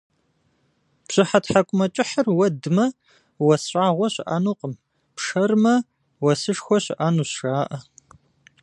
Бжьыхьэ тхьэкӏумэкӏыхьыр уэдмэ, уэс щӏагъуэ щыӏэнукъым, пшэрмэ, уэсышхуэ щыӏэнущ, жаӏэ.